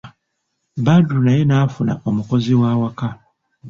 Badru naye n'afuna omukozi w'awaka.